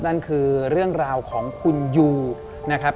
นั่นคือเรื่องราวของคุณยูนะครับ